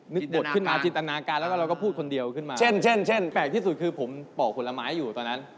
นึกบทขึ้นมาจิตนาการแล้วเราก็พูดคนเดียวขึ้นมาแปลกที่สุดคือผมป่อผลไม้อยู่ตอนนั้น